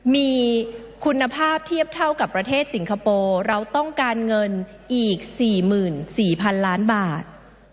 มีคุณภาพเทียบเท่ากับประเทศสิงคโปร์เราต้องการเงินอีก๔๔๐๐๐ล้านบาท